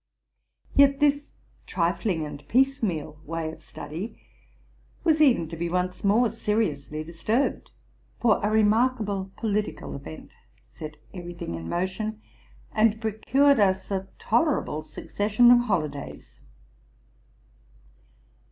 Yet this trifling and piecemeal way of study was even to be once more seriously disturbed ; for a remarkable polit ical event set every thing in motion, and procured us a tolera ble succession of holidays.